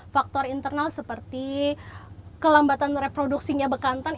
faktor internal seperti kelambatan reproduksinya bekantan